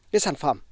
cái sản phẩm